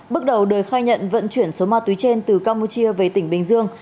bước đầu đời khai nhận vận chuyển số ma túy trên từ campuchia về tỉnh bình dương